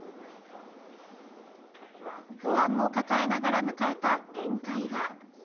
不安も抱えながら迎えた面会は。